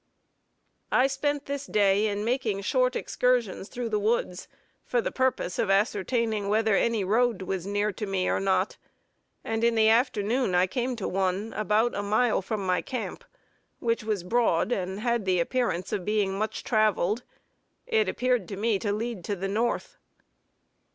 I spent this day in making short excursions through the woods, for the purpose of ascertaining whether any road was near to me or not; and in the afternoon I came to one, about a mile from my camp, which was broad, and had the appearance of being much traveled. It appeared to me to lead to the North.